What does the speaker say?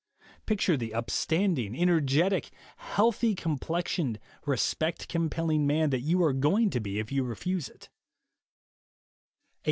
Picture the upstanding, energetic, healthy complexioned, respect compelling man you are going to be if you refuse it.